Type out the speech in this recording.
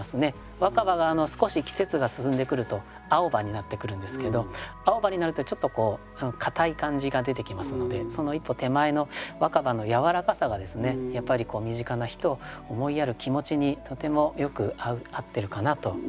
若葉が少し季節が進んでくると青葉になってくるんですけど青葉になるとちょっと硬い感じが出てきますのでその一歩手前の若葉のやわらかさがですねやっぱり身近な人を思いやる気持ちにとてもよく合ってるかなと思います。